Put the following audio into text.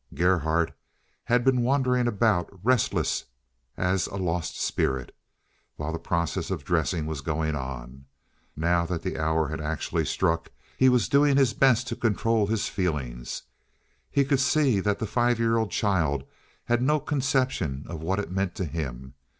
Gerhardt had been wandering about, restless as a lost spirit, while the process of dressing was going on; now that the hour had actually struck he was doing his best to control his feelings. He could see that the five year old child had no conception of what it meant to him.